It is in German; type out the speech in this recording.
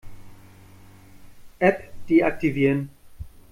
App deaktivieren.